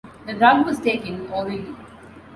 The drug was taken orally.